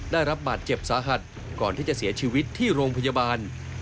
ได้รับบาดเจ็บสาหัสก่อนที่จะเสียชีวิตที่โรงพยาบาล